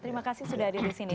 terima kasih sudah hadir di sini